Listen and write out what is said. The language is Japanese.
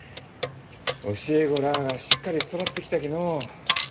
教え子らあがしっかり育ってきたきのう。